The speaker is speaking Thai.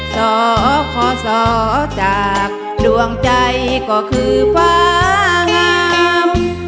สอขอสอจากดวงใจก็คือฟ้าห้าม